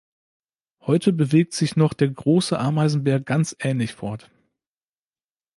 Heute bewegt sich noch der Große Ameisenbär ganz ähnlich fort.